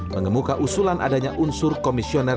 mengemuka usulan adanya unsur komisioner